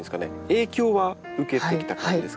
影響は受けてきた感じですか？